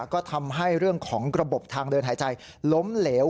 ก็ทำให้เรื่องของระบบทางเดินหายใจล้มเหลว